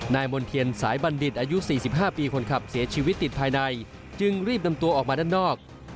มณ์เทียนสายบัณฑิตอายุ๔๕ปีคนขับเสียชีวิตติดภายในจึงรีบนำตัวออกมาด้านนอก